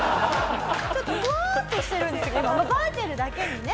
ちょっとふわっとしてるんですけどバーチャルだけにね。